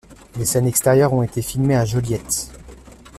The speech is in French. Les scènes extérieures ont été filmées à Joliette.